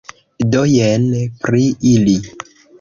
Do, jen pri ili.